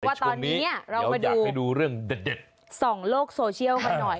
ว่าตอนนี้เรามาดูส่องโลกโซเชียลมาหน่อย